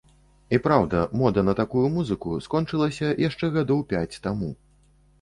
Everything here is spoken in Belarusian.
І праўда, мода на такую музыку скончылася яшчэ гадоў пяць таму.